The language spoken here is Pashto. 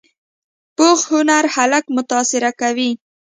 پوخ هنر خلک متاثره کوي